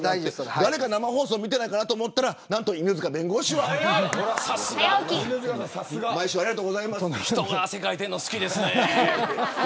誰か生放送見てないかなと思ったら何と犬塚弁護士は人が汗かいてるの好きですね。